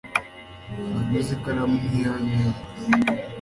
naguze ikaramu nkiyanyu ejo